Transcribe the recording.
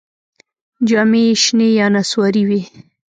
جامې یې شنې یا نسواري وې.